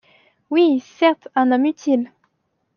Oui, certe, un homme utile !